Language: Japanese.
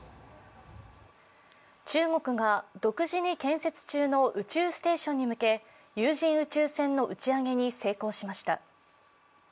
中国が独自に建設中の宇宙ステーションに向け有人宇宙船の打ち上げに成功しました。